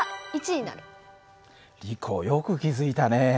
リコよく気付いたね。